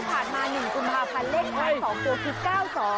พูดดูก่อนนวดที่ผ่านมา๑๕พันเลขท้าย๒ตัวคือ๙๒